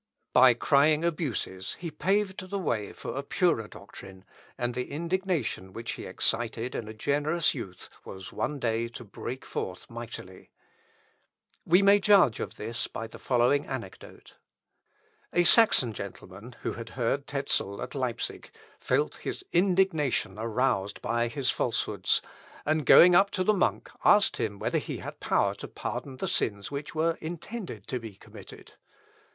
By crying abuses he paved the way for a purer doctrine, and the indignation which he excited in a generous youth was one day to break forth mightily. We may judge of this by the following anecdote. Letter of Myconius to Eberus in Hechtii Vita Tezelii. Wittemb., p. 114. A Saxon gentleman, who had heard Tezel at Leipsic, felt his indignation aroused by his falsehoods, and going up to the monk, asked him whether he had power to pardon the sins which were intended to be committed?